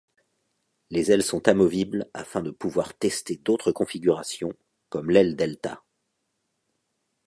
Les ailes sont amovibles afin de pouvoir tester d'autres configurations, comme l'aile delta.